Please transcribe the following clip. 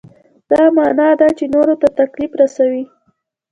دا معنا ده چې نورو ته تکلیف رسوئ.